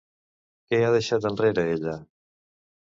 Què ha deixat enrere ella?